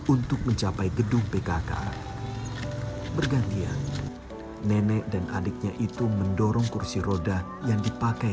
untuk mencapai gedung pkk bergantian nenek dan adiknya itu mendorong kursi roda yang dipakai